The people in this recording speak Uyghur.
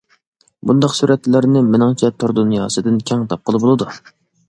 بۇنداق سۈرەتلەرنى مېنىڭچە تور دۇنياسىدىن كەڭ تاپقىلى بولىدۇ.